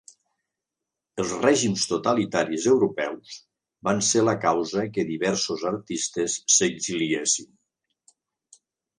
Els règims totalitaris europeus van ser la causa que diversos artistes s'exiliessin.